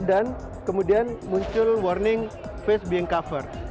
dan kemudian muncul warning face being covered